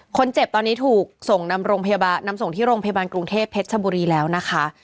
คนเจ็บตอนนี้ถูกส่งนำส่งที่โรงพยาบาลกรุงเทพเพชรชบุรีแล้วนะคะ